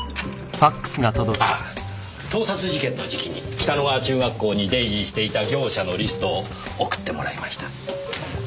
ああ盗撮事件の時期に北野川中学校に出入りしていた業者のリストを送ってもらいました。